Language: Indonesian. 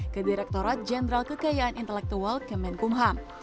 ke direktorat jenderal kekayaan intelektual kemenkumham